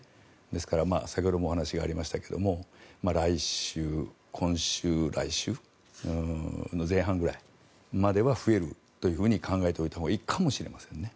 ですから、先ほどもお話がありましたけれども今週、来週の前半くらいまでは増えるというふうに考えておいたほうがいいかもしれませんね。